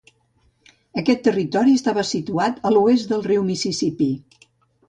Aquest territori estava situat a l'oest del riu Mississipí.